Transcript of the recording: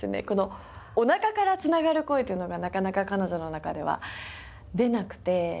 このおなかから繋がる声というのがなかなか彼女の中では出なくて。